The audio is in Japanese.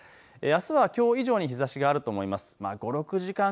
あすはきょう以上に日ざしがあると思います。